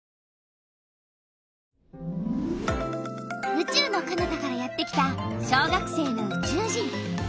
うちゅうのかなたからやってきた小学生のうちゅう人！